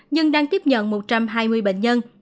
nhưng đang tiếp nhận một trăm hai mươi bệnh nhân